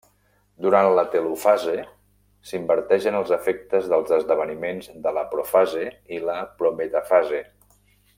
Durant la telofase s'inverteixen els efectes dels esdeveniments de la profase i la prometafase.